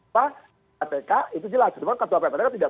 ppatk itu jelas cuman ketua ppatk tidak